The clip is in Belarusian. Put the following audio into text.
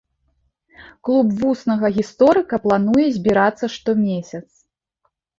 Клуб вуснага гісторыка плануе збірацца штомесяц.